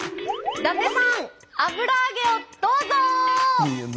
「伊達さん油揚げをどうぞ」。